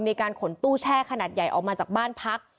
มีการขนตู้แช่ขนาดใหญ่ออกมาจากบ้านพัก